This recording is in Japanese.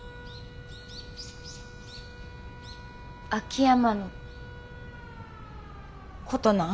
秋山のことなん？